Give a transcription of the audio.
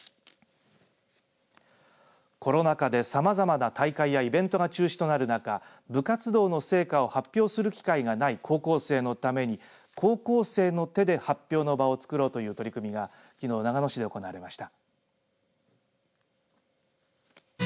コロナ禍でさまざまな大会やイベントが中止となる中部活動の成果を発表する機会がない高校生のために高校生の手で発表の場をつくろうという取り組みがきのう長野市で行われました。